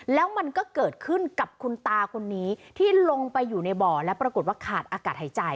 แล้วมันก็เกิดขึ้นกับคุณตาคนนี้ที่ลงไปอยู่ในบ่อแล้วปรากฏว่าขาดอากาศหายใจ